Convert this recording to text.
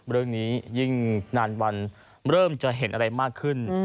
เรื่องนี้ยิ่งนานวันเริ่มจะเห็นอะไรมากขึ้น